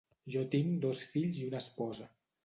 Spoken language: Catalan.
Jo tinc dos fills i una esposa.